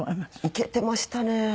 イケてましたね！